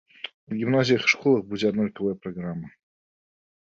У гімназіях і школах будзе аднолькавая праграма.